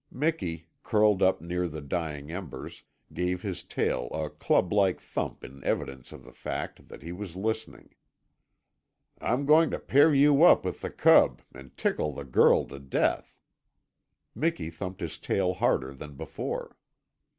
Miki, curled up near the dying embers, gave his tail a club like thump in evidence of the fact that he was listening. "I'm going to pair you up with the cub, and tickle the Girl to death." Miki thumped his tail harder than before.